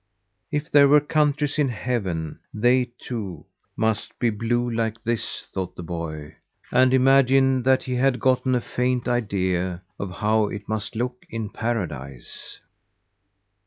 If there were countries in heaven, they, too, must be blue like this, thought the boy, and imagined that he had gotten a faint idea of how it must look in Paradise.